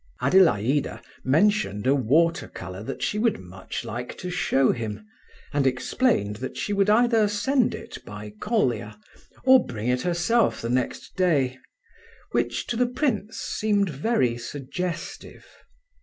Adelaida mentioned a watercolour that she would much like to show him, and explained that she would either send it by Colia, or bring it herself the next day—which to the prince seemed very suggestive.